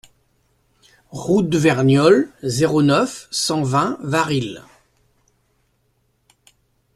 Route de Verniolle, zéro neuf, cent vingt Varilhes